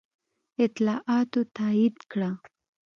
اطلاعاتو تایید کړه.